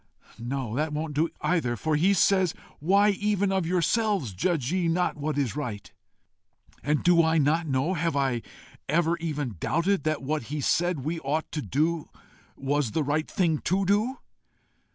No, that won't do either, for he says, Why even of yourselves judge ye not what is right? And do I not know have I ever even doubted that what he said we ought to do was the right thing to do?